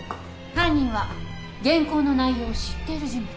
犯人は原稿の内容を知っている人物。